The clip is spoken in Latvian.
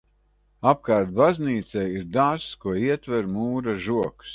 Apkārt baznīcai ir dārzs, ko ietver mūra žogs.